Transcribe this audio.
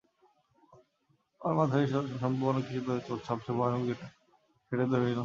আমার মাথায় সম্ভাব্য অনেক কিছুই চলছে, সবচেয়ে ভয়ানক যেটা সেটাই ধরে নিলাম।